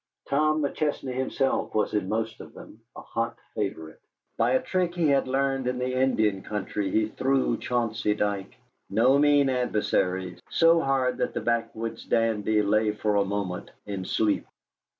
Tom McChesney himself was in most of them, a hot favorite. By a trick he had learned in the Indian country he threw Chauncey Dike (no mean adversary) so hard that the backwoods dandy lay for a moment in sleep.